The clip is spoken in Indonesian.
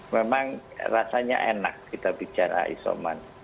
memang rasanya enak kita bicara isoman